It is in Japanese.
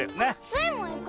スイもいく！